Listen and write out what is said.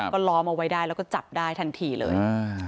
ก็ล้อมเอาไว้ได้แล้วก็จับได้ทันทีเลย